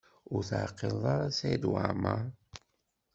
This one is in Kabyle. Ur teɛqileḍ ara Saɛid Waɛmaṛ?